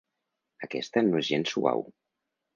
Aquesta no és gens suau.